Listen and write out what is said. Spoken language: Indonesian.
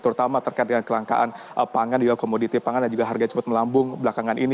terutama terkait dengan kelangkaan pangan juga komoditi pangan dan juga harga yang cepat melambung belakangan ini